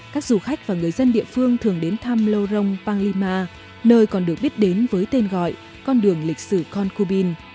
các du khách và người dân địa phương thường đến thăm lorong panglima nơi còn được biết đến với tên gọi con đường lịch sử konkubin